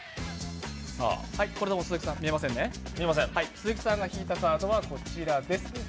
鈴木さんが引いたカードはこちらです。